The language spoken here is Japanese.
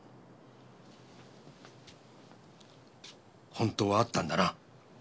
本当はあったんだな？